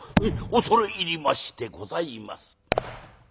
「恐れ入りましてございます」。